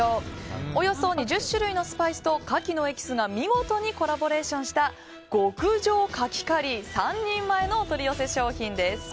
およそ２０種類のスパイスとカキのエキスが見事にコラボレーションした極上かきカリー３人前のお取り寄せ商品です。